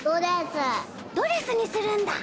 ドレスにするんだ。